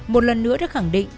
một lần nữa đã khẳng định